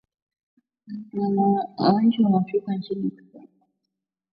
Wananchi wa Afrika Mashariki hivi sasa wanaweza kuwa huru kusafiri kwenda Congo